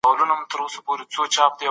زه هر وخت خپل ځان خوندي ساتم.